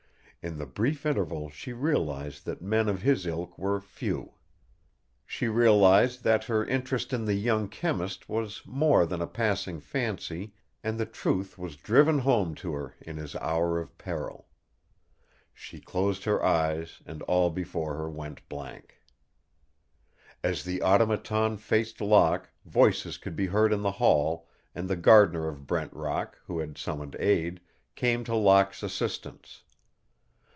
In the brief interval she realized that men of his ilk were few. She realized that her interest in the young chemist was more than a passing fancy and the truth was driven home to her in his hour of peril. She closed her eyes and all before her went blank. As the Automaton faced Locke voices could be heard in the hall, and the gardener of Brent Rock, who had summoned aid, came to Locke's assistance.